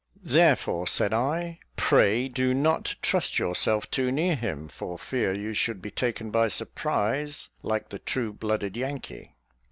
"Therefore," said I, "pray do not trust yourself too near him, for fear you should be taken by surprise, like the True blooded Yankee."